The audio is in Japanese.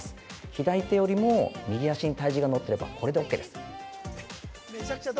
左手よりも右足に体重が乗ってればこれでオーケーです。